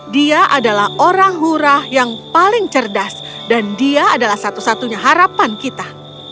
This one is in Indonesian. dia adalah orang hurah yang paling cerdas dan dia adalah satu satunya harapan kita